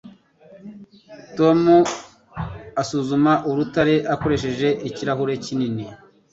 Tom asuzuma urutare akoresheje ikirahure kinini.